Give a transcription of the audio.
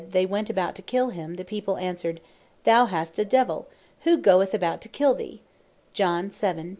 "They went about to kill him," the people answered, "Thou hast a Devill, who goeth about to kill thee?"